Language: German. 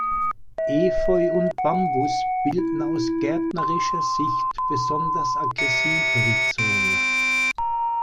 Efeu und Bambus bilden aus gärtnerischer Sicht besonders aggressive Rhizome.